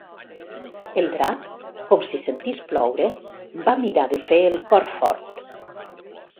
El drac, com si sentís ploure, va mirar de fer el cor fort.